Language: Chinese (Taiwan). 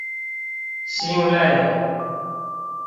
心累